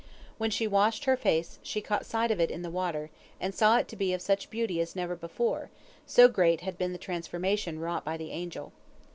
When she washed her face, she caught sight of it in the water, and saw it to be of such beauty as never before, so great had been the transformation wrought by the angel.